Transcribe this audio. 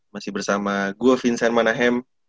masih bersama gue vincent manahem